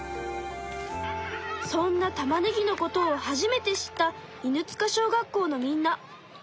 そんなたまねぎのことを初めて知った犬塚小学校のみんな。